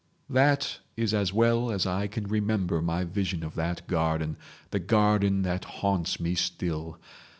"That is as well as I can remember my vision of that garden—the garden that haunts me still.